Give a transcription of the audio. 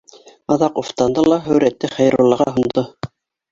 Аҙаҡ уфтанды ла һүрәтте Хәйруллаға һондо: